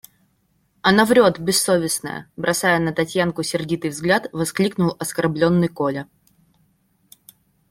– Она врет, бессовестная! – бросая на Татьянку сердитый взгляд, воскликнул оскорбленный Коля.